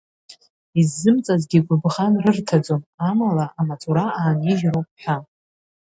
Иззымҵазгьы гәыбӷан рырҭаӡом, амала, амаҵура аанижьроуп ҳәа.